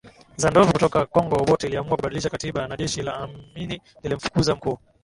za ndovu kutoka Kongo Obote iliamua kubadilisha katiba na jeshi la Amini lilimfukuza Mkuu